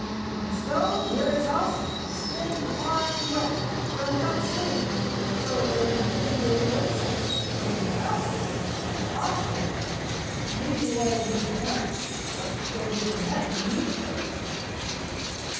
On a stone near its house it spins a fine web, turned up stream, so that any tender little insects floating down stream get lodged in it. An easy way to get your dinner just to go to a net and eat."